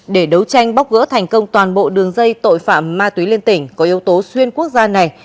để đấu tranh bóc gỡ thành công toàn bộ đường dây tội phạm ma túy lên tỉnh có yếu tố xuyên quốc gia này